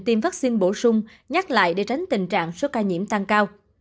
tiêm vaccine bổ sung nhắc lại để tránh tình trạng số ca nhiễm tăng cao